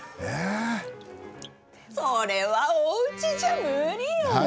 それは、おうちじゃ無理よね。